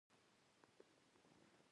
اوبه بې رنګ، بې بوی او بې خوند دي.